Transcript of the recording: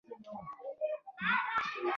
مغزه د ټولو انساني خوځښتونو مرکزي څارګر دي